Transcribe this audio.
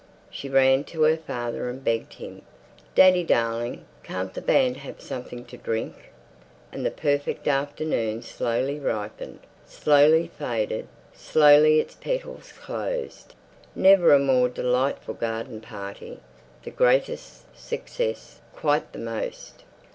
She ran to her father and begged him. "Daddy darling, can't the band have something to drink?" And the perfect afternoon slowly ripened, slowly faded, slowly its petals closed. "Never a more delightful garden party...." "The greatest success...." "Quite the most...."